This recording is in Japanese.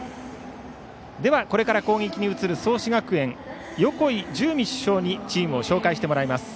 ではこれから攻撃に移る創志学園の横井寿海主将にチームを紹介してもらいます。